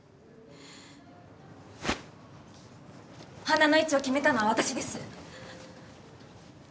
花の位置を決めたのは私です！